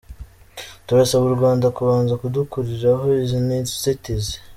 Turasaba u Rwanda kubanza kudukuriraho izi nzitizi’’.